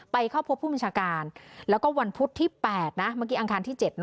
เข้าพบผู้บัญชาการแล้วก็วันพุธที่๘นะเมื่อกี้อังคารที่๗